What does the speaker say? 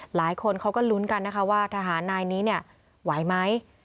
หลายคนเขาก็ลุ้นกันนะคะว่าทหารนายนี้เนี่ยไหวไหม